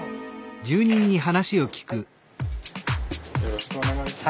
よろしくお願いします。